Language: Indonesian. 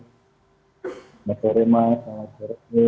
selamat sore mas selamat sore